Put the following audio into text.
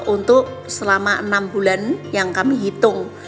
untuk selama enam bulan yang kami hitung